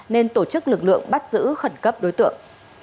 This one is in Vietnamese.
nên tổ chức lực lượng bắt giữ khẩn cấp đối tượng